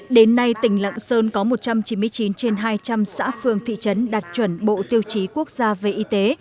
đến nay tỉnh lạng sơn có một trăm chín mươi chín trên hai trăm linh xã phương thị trấn đạt chuẩn bộ tiêu chí quốc gia về y tế